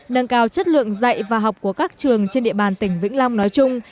nâng cao chất lượng dạy và học của các trường trên địa bàn tỉnh vĩnh long nói chung